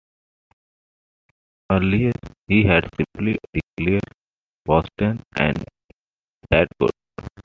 Earlier, he had simply declared, Boston ain't that good.